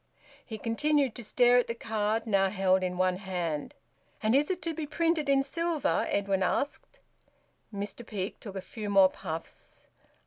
He continued to stare at the card, now held in one hand. "And is it to be printed in silver?" Edwin asked. Mr Peake took a few more puffs.